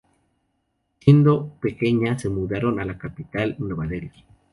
Siendo pequeña, se mudaron a la capital, Nueva Delhi.